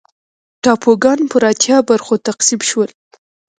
ټاپوګان پر اتیا برخو تقسیم شول.